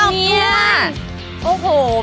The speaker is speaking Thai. โอ้โหพี่ขา